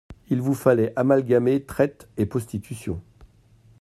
Il vous fallait amalgamer traite et prostitution.